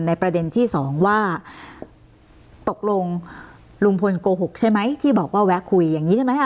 ประเด็นที่สองว่าตกลงลุงพลโกหกใช่ไหมที่บอกว่าแวะคุยอย่างนี้ใช่ไหม